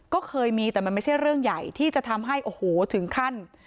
ก็เคยมีแต่มันไม่ใช่เรื่องใหญ่ที่จะทำให้โอ้โหถึงขั้น